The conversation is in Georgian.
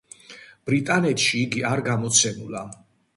ბრიტანეთში იგი არ გამოცემულა.